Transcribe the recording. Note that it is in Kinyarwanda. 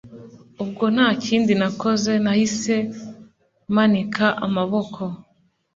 ubwo ntakindi nakoze nahise manika amaboko